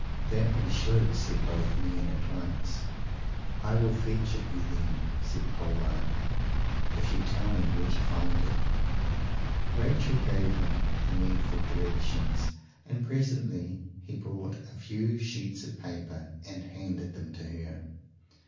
"That we should," said both men at once. "I will fetch it you then," said Polwarth, "if you will tell me where to find it." Rachel gave him the needful directions, and presently he brought a few sheets of paper, and handed them to her.